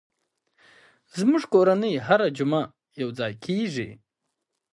زموږ کورنۍ هره جمعه یو ځای کېږي.